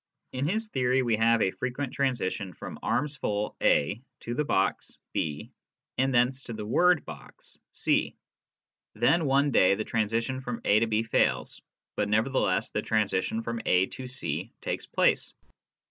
In his theory we have a frequent transition from arms full (A) to the box (B) and thence to the word " box " (C). Then one day the transition from A to B fails, but nevertheless the transition from A to C takes place.